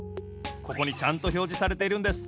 ここにちゃんとひょうじされているんです。